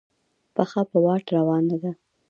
پښه په واټ روانه ده.